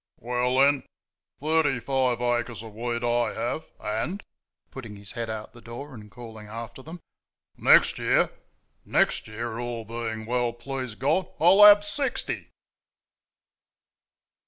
"Well, then thirty five acres of wheat, I have, and" (putting his head out the door and calling after them) "NEXT year next year, all being well, please God, I'll have SIXTY!"